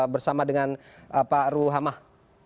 bersama dengan pak ruhamah